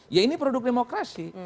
ya ini produk demokrasi